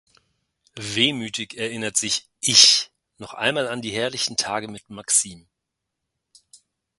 Wehmütig erinnert sich „Ich“ noch einmal an die herrlichen Tage mit Maxim.